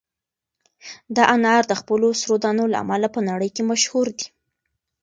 دا انار د خپلو سرو دانو له امله په نړۍ کې مشهور دي.